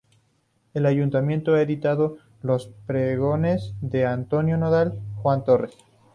El Ayuntamiento ha editado los pregones de Antonio Nadal, Juan Torres.